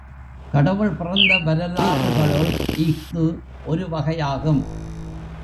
கடவுள் பிறந்த வரலாறுகளுள் இஃது ஒருவகையாகும்.